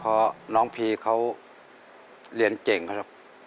เพราะน้องพีเขาเรียนเก่งครับ